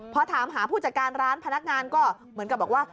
พอถามหาผู้จัดการร้านพนักงานก็เหมือนกับบอกว่า